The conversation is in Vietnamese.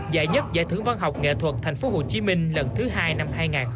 giải nhất giải thưởng văn học nghệ thuật thành phố hồ chí minh lần thứ hai năm hai nghìn một mươi chín